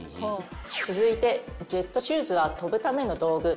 続いてジェットシューズは飛ぶための道具。